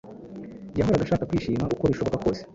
Yahoraga ashaka kwishima uko bishoboka kose